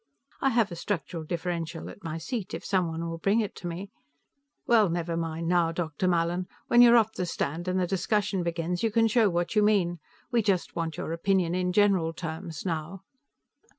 I have a structural differential at my seat; if somebody will bring it to me " "Well, never mind now, Dr. Mallin. When you're off the stand and the discussion begins you can show what you mean. We just want your opinion in general terms, now."